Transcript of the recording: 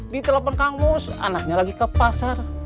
di telpon kang mus anaknya lagi ke pasar